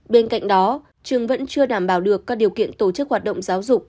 bên cạnh đó trường vẫn chưa đảm bảo được các điều kiện tổ chức hoạt động giáo dục